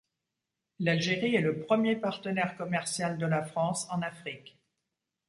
L'Algérie est le premier partenaire commercial de la France en Afrique.